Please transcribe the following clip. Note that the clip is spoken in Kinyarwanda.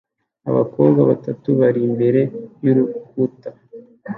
Abakobwa batanu bari imbere y'urukuta